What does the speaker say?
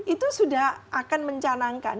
itu sudah akan mencanangkan